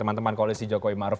teman teman koalisi jokowi maruf